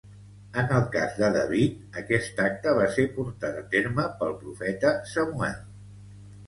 En el cas de David, aquest acte va ser portat a terme pel profeta Samuel.